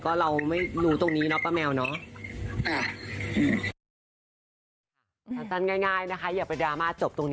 ก็เราไม่รู้ตรงนี้เนาะป้าแมวเนอะ